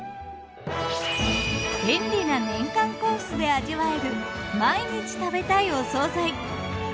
便利な年間コースで味わえる毎日食べたいお惣菜。